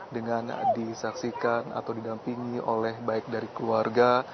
dengan disaksikan atau didampingi oleh baik dari keluarga